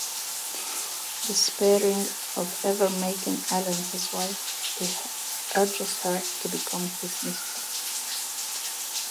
Despairing of ever making Ellen his wife, he urges her to become his mistress.